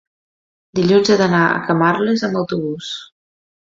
dilluns he d'anar a Camarles amb autobús.